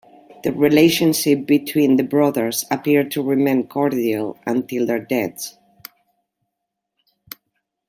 The relationship between the brothers appeared to remain cordial until their deaths.